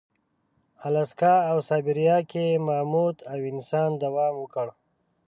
الاسکا او سابیریا کې ماموت او انسان دوام وکړ.